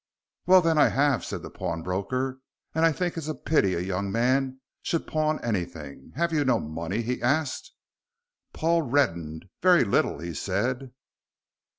"Well then, I have," said the pawnbroker, "and I think it's a pity a young man should pawn anything. Have you no money?" he asked. Paul reddened. "Very little," he said.